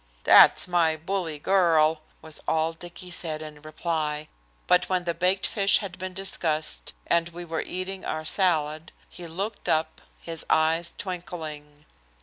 "That's my bully girl!" was all Dicky said in reply, but when the baked fish had been discussed and we were eating our salad he looked up, his eyes twinkling.